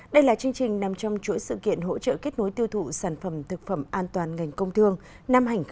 đây là chương trình nằm trong chuỗi sự kiện hỗ trợ kết nối tiêu thụ sản phẩm thực phẩm an toàn ngành công thương năm hai nghìn hai mươi